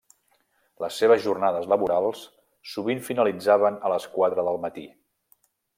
Les seves jornades laborals sovint finalitzaven a les quatre del matí.